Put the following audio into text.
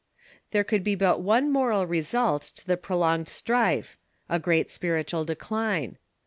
There could be but one moral result to the prolonged strife — a great spiritual decline.